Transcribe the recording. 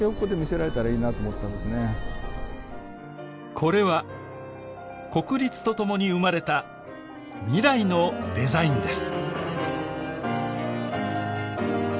これは国立とともに生まれた未来のデザインです